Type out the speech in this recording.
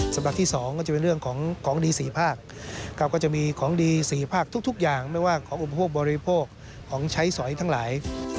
ฉบับที่๒ก็จะเป็นเรื่องของของดี๔ภาคก็จะมีของดี๔ภาคทุกอย่างไม่ว่าของอุปโภคบริโภคของใช้สอยทั้งหลาย